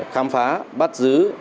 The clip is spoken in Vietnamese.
khám phá bắt giữ